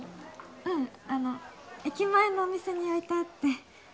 うんあの駅前のお店に置いてあって